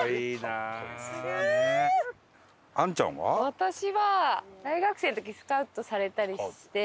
私は大学生の時にスカウトされたりして。